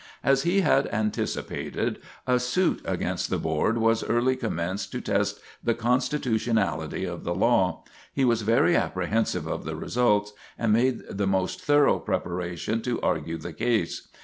As he had anticipated, a suit against the Board was early commenced to test the constitutionality of the law. He was very apprehensive of the results, and made the most thorough preparation to argue the case.